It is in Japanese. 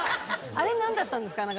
あれなんだったんですか？